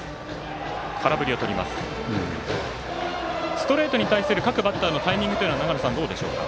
ストレートに対する各バッターのタイミングというのはどうでしょうか。